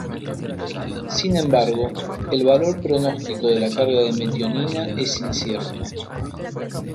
Sin embargo, el valor pronóstico de la carga de metionina es incierto.